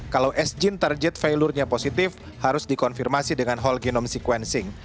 kalau as gene target failurenya positif harus dikonfirmasi dengan whole genome sequencing